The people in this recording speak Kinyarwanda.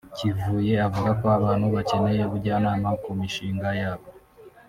Kivuye avuga ko abantu bakeneye ubujyanama ku mishinga yabo